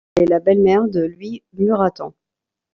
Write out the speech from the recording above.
Elle est la belle-mère de Louis Muraton.